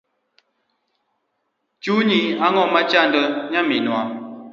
Chunyi ang’o machando nyaminwa?